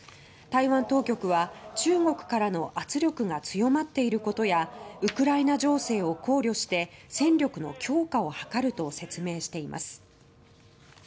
台湾当局は、中国からの圧力が強まっていることやウクライナ情勢を考慮して戦力の強化を図ると説明しています。